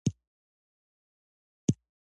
څلوېښت کاله پخوا پر بحر العلوم کار کاوه.